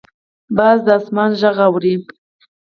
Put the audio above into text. باز د اسمان غږ اوري